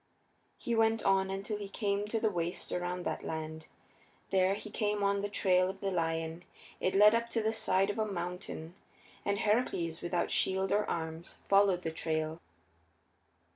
He went on until he came to the waste around that land: there he came on the trail of the lion; it led up the side of a mountain, and Heracles, without shield or arms, followed the trail.